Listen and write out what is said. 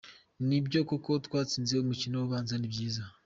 Ni byo koko twatsinze umukino ubanza, ni byiza.